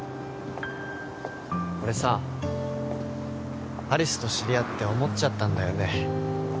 俺さ有栖と知り合って思っちゃったんだよね